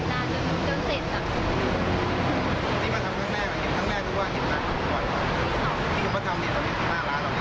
ไม่มีใครถ่ายคลิปเขาก็เลยหยุดนานจนจนเสร็จจำคลิป